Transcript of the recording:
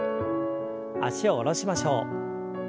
脚を下ろしましょう。